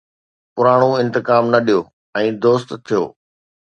پراڻو انتقام نه ڏيو، ۽ دوست ٿيو